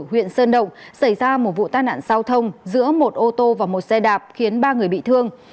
huyện sơn động xảy ra một vụ tai nạn giao thông giữa một ô tô và một xe đạp khiến ba người bị thương